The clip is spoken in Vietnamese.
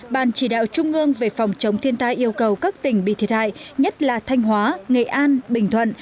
ban chỉ đạo trung ương về phòng chống thiên tai yêu cầu các tỉnh bị thiệt hại nhất là thanh hóa nghệ an bình thuận